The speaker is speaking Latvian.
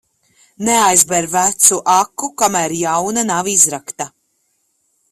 Neaizber vecu aku, kamēr jauna nav izrakta.